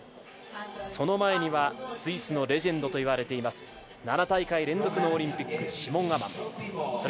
その前にはスイスのレジェンドと言われています、７大会連続のオリンピック、シモン・アマン。